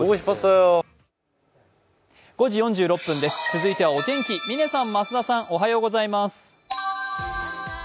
続いてはお天気、嶺さん、増田さん、おはようございます。